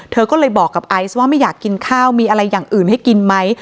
เธอก็เลยบอกกับไอซ์ว่าไม่อยากกินข้าวมีอะไรอย่างอื่นให้กินไหม